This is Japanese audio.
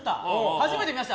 初めて見ました。